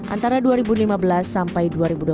antara dua ribu lima belas sampai dua ribu dua puluh